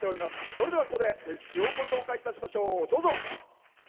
それでは、ここで関市をご紹介いたしましょう。